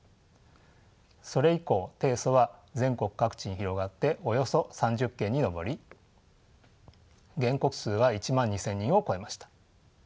それ以降提訴は全国各地に広がっておよそ３０件に上り原告数は１万２，０００人を超えました。